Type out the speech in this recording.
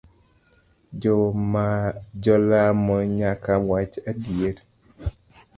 Jalamo nyaka wach adieri.